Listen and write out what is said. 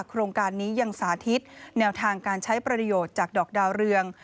โครงการนี้ยังสาธิตแนวทางการใช้ประโยชน์จากดอกดาวเรือง